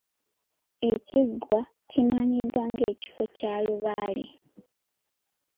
Ekiggwa kimanyiddwa ng'ekifo kya lubaale.